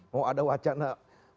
mau ada wacana pemilihan langsung